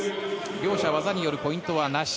両者、技によるポイントはなし。